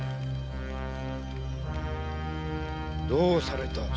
どうされた。